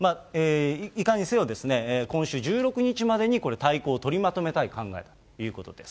いかにせよ、今週１６日までにこれ、大綱を取りまとめたいといういう考えです。